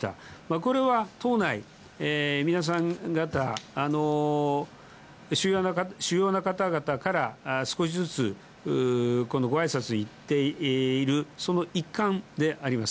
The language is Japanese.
これは党内、皆さん方、主要な方々から少しずつごあいさつに行っている、その一環であります。